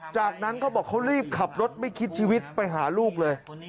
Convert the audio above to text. จากนั้นเขาบอกเขารีบขับรถไม่คิดชีวิตไปหาลูกเลย